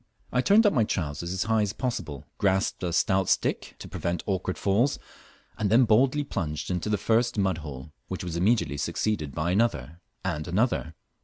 I turned up my trousers as high as possible, grasped a stoat stick to prevent awkward falls, and then boldly plunged into the first mud hole, which was immediately succeeded by another and another.